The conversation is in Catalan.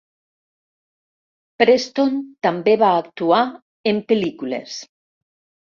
Preston també va actuar en pel·lícules.